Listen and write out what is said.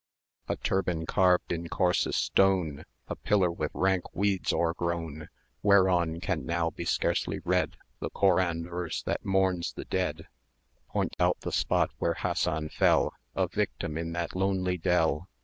A Turban carved in coarsest stone, A Pillar with rank weeds o'ergrown, Whereon can now be scarcely read The Koran verse that mourns the dead, Point out the spot where Hassan fell A victim in that lonely dell.